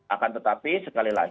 akan tetapi sekali lagi